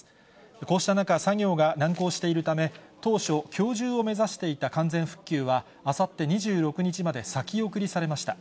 こうした中、作業が難航しているため、当初、きょう中を目指していた完全復旧は、あさって２６日まで先送りされました。